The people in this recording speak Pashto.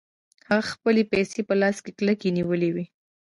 هغه خپلې پيسې په لاس کې کلکې نيولې وې.